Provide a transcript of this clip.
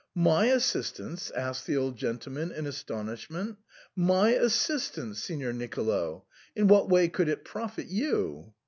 " My assistance ?" asked the old gentleman in as tonishment. My assistance, Signor Nicolo ? In what way could it profit you